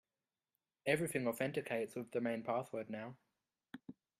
Everything authenticates with the main password now.